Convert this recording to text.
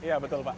iya betul pak